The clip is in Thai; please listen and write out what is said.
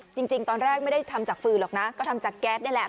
จริงตอนแรกไม่ได้ทำจากฟืนหรอกนะก็ทำจากแก๊สนี่แหละ